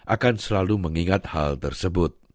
akan selalu mengingat hal tersebut